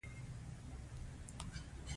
ټولو سر تندی واهه.